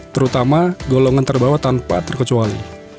terutama golongan terbawa tanpa terkecuali